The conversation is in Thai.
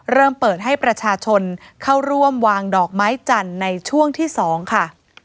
เริ่มเปิดให้ประชาชนเข้าร่วมวางดอกไม้จันทร์ในช่วงที่๒ค่ะ